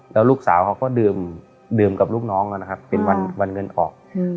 แล้วลูกสาวเขาก็ดื่มดื่มกับลูกน้องแล้วนะครับเป็นวันวันเงินออกอืม